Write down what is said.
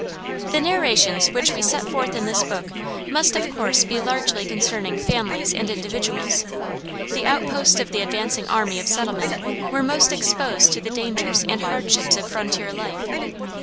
The narrations which we set forth in this book must of course be largely concerning families and individuals. The outposts of the advancing army of settlement were most exposed to the dangers and hardships of frontier life.